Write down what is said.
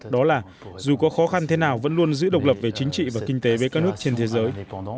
đó là dù có khó khăn thế nào vẫn luôn giữ độc lập về chính trị và kinh tế bế cân hước trên thế giới